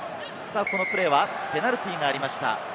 このプレーはペナルティーがありました。